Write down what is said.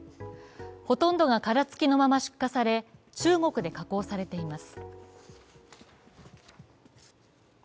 ほとんどが殻付きのまま出荷され中国で加工されています。